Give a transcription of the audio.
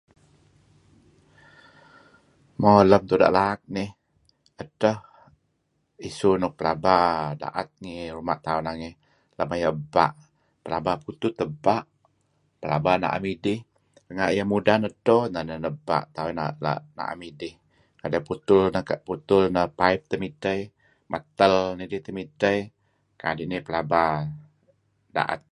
Mo... lem tuda' laak nih, edteh isu nuk plaba da'et ngih ruma' tauh nangey lem ayu' ebpa'. Plaba putut ebpa', plaba na'em idih. Nga' ieh mudan edto, neh neh ebpa' tauh la' na'em idih. Nga' putul neh paip temideh iih, metal nidih temidteh iih kadi' nidih plaba da'et.